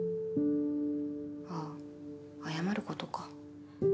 あっ謝ることか。